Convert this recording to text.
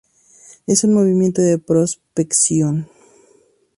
Es un movimiento de prospección.